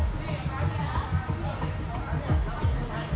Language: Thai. สวัสดีครับ